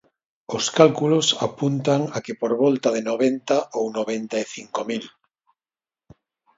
Os cálculos apuntan a que por volta de noventa ou noventa e cinco mil.